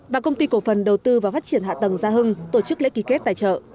và công ty cổ phần đầu tư và phát triển hạ tầng gia hưng tổ chức lễ ký kết tài trợ